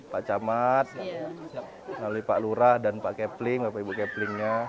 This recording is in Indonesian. pak camat lalu pak lurah dan pak kepling bapak ibu keplingnya